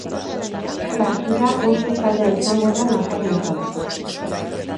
Partida oso zaila izango da nafarrentzat.